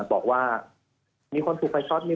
บอกว่ามีคนถูกไฟช็อต